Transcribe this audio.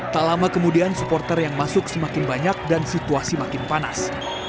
tak lama kemudian supporter yang masuk semakin banyak dan situasi makin panas